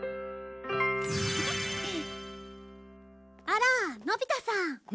あらのび太さん。